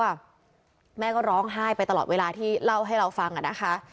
แม่ก็ร้องไห้ไปตลอดเวลาที่เล่าให้เราฟังอ่ะนะคะ